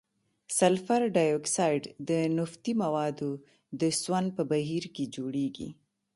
سلفر ډای اکساید د نفتي موادو د سون په بهیر کې جوړیږي.